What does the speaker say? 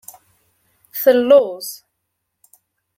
Telluẓ.